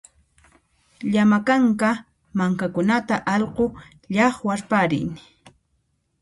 Llama kanka mankakunata allqu llaqwarparin